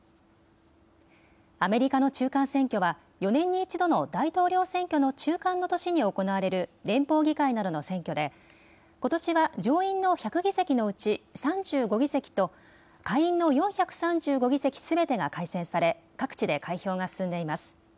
アメリカの中間選挙は、４年に１度の大統領選挙の中間の年に行われる連邦議会などの選挙で、ことしは上院の１００議席のうち３５議席と下院の４３５議席すべてが改選され、各地で開票が進んでいます。